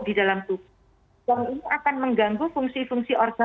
di dalam tubuh